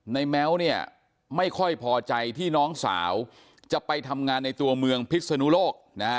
แม้วเนี่ยไม่ค่อยพอใจที่น้องสาวจะไปทำงานในตัวเมืองพิศนุโลกนะฮะ